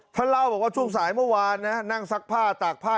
ท่านเล่าบอกว่าช่วงสายเมื่อวานนะนั่งซักผ้าตากผ้า